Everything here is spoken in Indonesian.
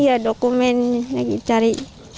iya dokumen lagi cari